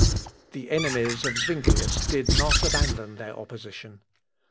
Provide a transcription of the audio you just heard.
The enemies of Zuinglius did not abandon their opposition.